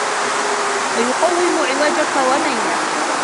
وَيُقَوِّمُ عِوَجَك وَمَيْلَك